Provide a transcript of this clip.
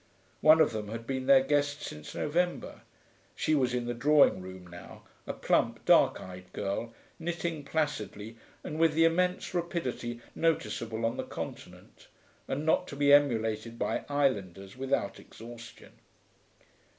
One of them had been their guest since November; she was in the drawing room now, a plump, dark eyed girl, knitting placidly and with the immense rapidity noticeable on the Continent, and not to be emulated by islanders without exhaustion.